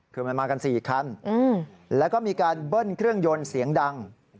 คือมันมากัน๔คันแล้วก็มีการเบิ้ลเครื่องยนต์เสียงดัง